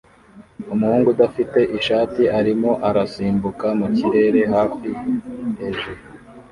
Umuhungu udafite ishati arimo arasimbuka mu kirere hafi hejuru